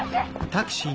タクシー！